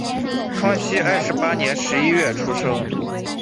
康熙二十八年十一月出生。